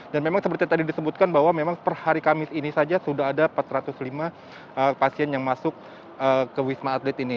dan memang seperti tadi disebutkan bahwa memang per hari kamis ini saja sudah ada empat ratus lima pasien yang masuk ke wisma atlet ini